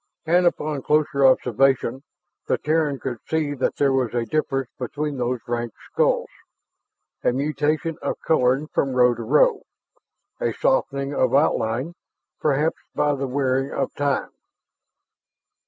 And upon closer observation the Terran could see that there was a difference among these ranked skulls, a mutation of coloring from row to row, a softening of outline, perhaps by the wearing of time.